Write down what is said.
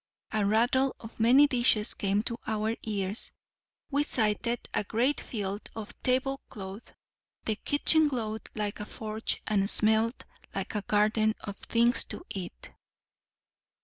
A rattle of many dishes came to our ears; we sighted a great field of table cloth; the kitchen glowed like a forge and smelt like a garden of things to eat.